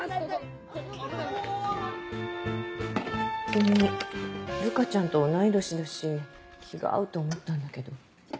君瑠香ちゃんと同い年だし気が合うと思ったんだけど。